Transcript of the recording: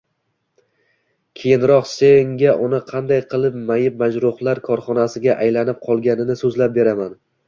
Keyinroq senga uni qanday qilib mayib-majruhlar korxonasiga aylanib qolganini so`zlab beraman